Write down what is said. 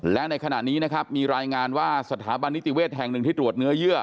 และในขณะนี้นะครับมีรายงานว่าสถาบันนิติเวศแห่งหนึ่งที่ตรวจเนื้อเยื่อ